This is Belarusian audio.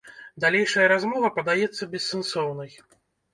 Далейшая размова падаецца бессэнсоўнай.